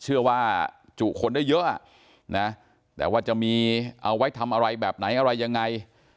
เชื่อว่าจุคนได้เยอะนะแต่ว่าจะมีเอาไว้ทำอะไรแบบไหนอะไรยังไง